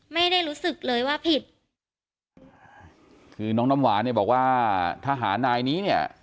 ไม่ได้รู้สึกเลยว่าผิดคือน้องน้ำหวานเนี่ยบอกว่าทหารนายนี้เนี่ย